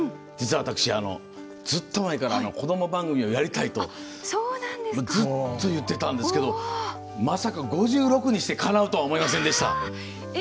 実は私、ずっと前から子ども番組をやりたいとずっと言ってたんですけどまさか５６にしてかなうとは思いませんでした。